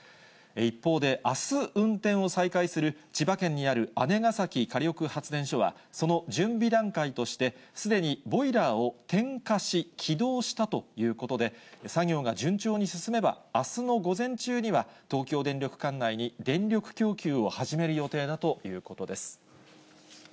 一方であす、運転を再開する千葉県にある姉崎火力発電所はその準備段階として、すでにボイラーを点火し、起動したということで、作業が順調に進めば、あすの午前中には、東京電力管内に電力供給を始める予定だということです。